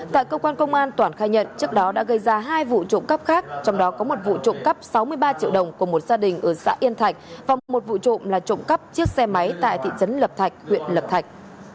tại cơ quan công an toản khai nhận trước đó đã gây ra hai vụ trộm cắp khác trong đó có một vụ trộm cắp sáu mươi ba triệu đồng của một gia đình ở xã yên thạnh và một vụ trộm là trộm cắp chiếc xe máy tại thị trấn lập thạch huyện lập thạch